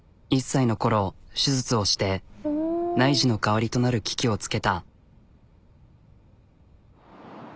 １歳のころ手術をして内耳の代わりとなる機器をつけた。